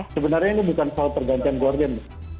sebenarnya ini bukan soal pergantian gorden